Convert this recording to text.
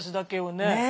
ねえ。